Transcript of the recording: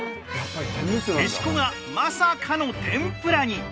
へしこがまさかの天ぷらに！